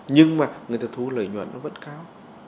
nhưng mà người ta thu lợi nhuận vẫn cao